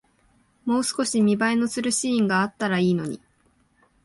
もう少し見栄えのするシーンがあったらいいのに